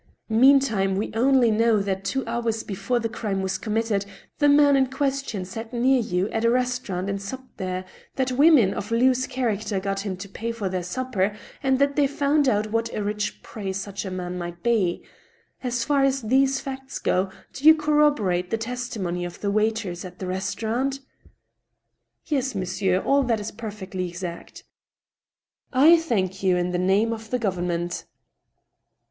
Meantime, we only know that two houre before the crime was committed, the man in question sat near you at a restaurant, and supped there, that women of loose character got him to pay for their supper, and that they found out what a rich prey such a man might be. As far as these facts go, do you cor roborate the testimony of the waiters at the restaurant .^"" Yes, monsieur, all that is perfectly exact." " I thank you, in the name of the government."